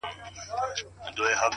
o نور دي دسترگو په كتاب كي ـ